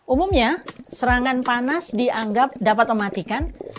umumnya serangan panas dianggap dapat mematikan